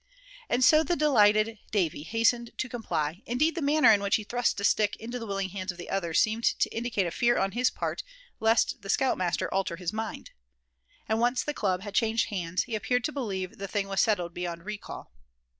And so the delighted Davy hastened to comply; indeed the manner in which he thrust the stick into the willing hands of the other seemed to indicate a fear on his part lest the scout master alter his mind. And once the club had changed hands he appeared to believe the thing was settled beyond recall.